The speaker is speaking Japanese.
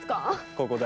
ここだ。